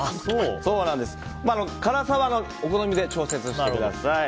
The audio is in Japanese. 辛さはお好みで調節してください。